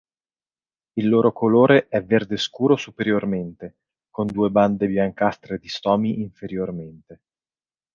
Il loro colore è verde scuro superiormente, con due bande biancastre di stomi inferiormente.